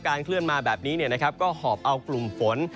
การเคลื่อนมาแบบนี้เนี่ยนะครับก็หอบเอากลุ่มฝน